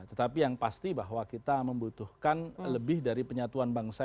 tetapi yang pasti bahwa kita membutuhkan lebih dari penyatuan bangsa